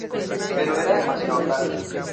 Pero era demasiado tarde.